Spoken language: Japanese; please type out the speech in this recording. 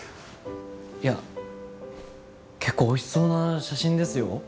いや結構おいしそうな写真ですよ？